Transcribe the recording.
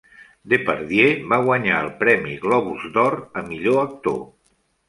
Depardieu va guanyar el premi Globus d'Or a millor actor.